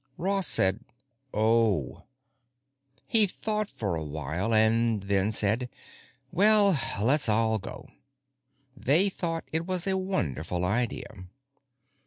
Ross said, "Oh." He thought for a while and then said, "Well, let's all go." They thought it was a wonderful idea.